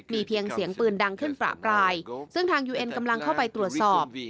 มีเพียงเสียงปืนดังขึ้นประปรายซึ่งทางยูเอ็นกำลังเข้าไปตรวจสอบ